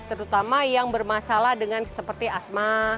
terutama yang bermasalah dengan seperti asma